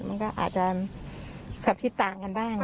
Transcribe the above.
มันก็อาจจะขับที่ต่างกันบ้าง